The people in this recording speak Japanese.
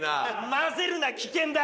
「混ぜるな危険」だ。